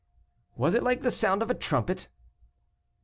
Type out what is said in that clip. "Was it like the sound of a trumpet?"